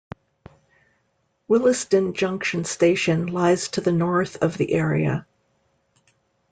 Willesden Junction station lies to the north of the area.